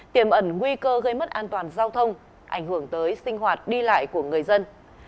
tiềm ẩn nguy cơ gây mất an toàn giao thông ảnh hưởng tới sinh hoạt đi lại của người dân